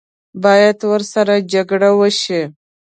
باید ورسره جګړه وشي.